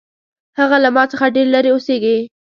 هغه له ما څخه ډېر لرې اوسیږي